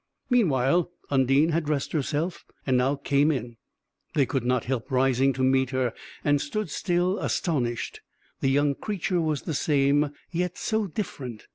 Meanwhile Undine had dressed herself, and now came in; they could not help rising to meet her, and stood still, astonished; the young creature was the same, yet so different.